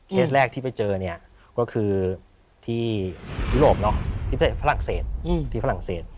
เคสแรกที่ไปเจอเนี่ยก็คือที่อุโรปเนอะที่ฝรั่งเศส